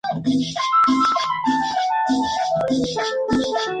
Estatuas: Cuatro diferentes estatuas que esperan a los intrusos en el Museo.